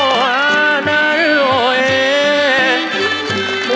วะโห้นาลโยฮี